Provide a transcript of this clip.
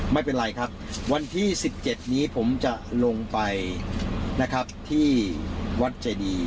ไม่เป็นไรครับวันที่๑๗นี้ผมจะลงไปนะครับที่วัดเจดี